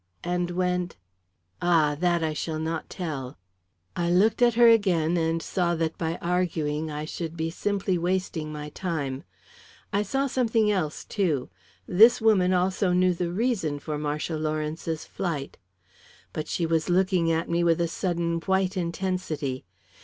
"And went " "Ah, that I shall not tell." I looked at her again and saw that by arguing I should be simply wasting my time. I saw something else, too this woman also knew the reason for Marcia Lawrence's flight. But she was looking at me with a sudden white intensity.